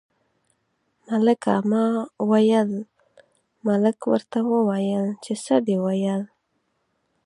ملکه ما ویل، ملک ورته وویل چې څه دې ویل.